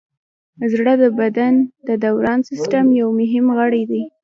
زړه د بدن د دوران سیستم یو مهم غړی دی.